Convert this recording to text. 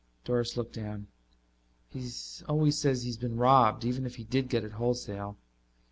Doris looked down. "He always says he's been robbed, even if he did get it wholesale."